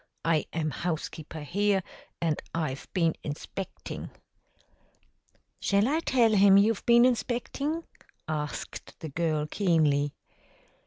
I am housekeeper here, and I've been inspecting." "Shall I tell him you've been inspectin'?" asked the girl keenly.